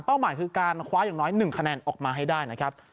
หมายคือการคว้าอย่างน้อย๑คะแนนออกมาให้ได้นะครับ